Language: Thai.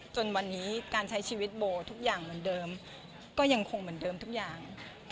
จนวันนี้การใช้ชีวิตโบทุกอย่างเหมือนเดิมก็ยังคงเหมือนเดิมทุกอย่าง